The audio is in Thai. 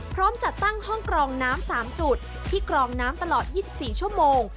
พร้อมจัดตั้งห้องกรองน้ำ๓จุดที่กรองน้ำตลอด๒๔ชั่วโมง